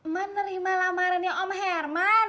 mak nerima lamarannya om herman